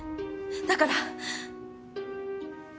だから。